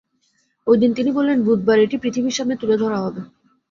ওই দিন তিনি বলেন, বুধবার এটি পৃথিবীর সামনে তুলে ধরা হবে।